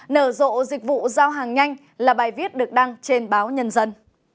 nở rộ dịch vụ giao hàng nhanh là bài viết được đăng trên báo nhân dân